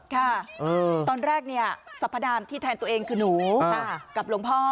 ค่ะตอนแรกเนี่ยสรรพดามที่แทนตัวเองคือหนูกับหลวงพ่อ